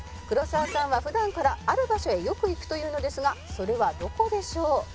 「黒沢さんは普段からある場所へよく行くというのですがそれはどこでしょう？」